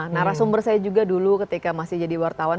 narasumber saya juga dulu ketika masih jadi wartawan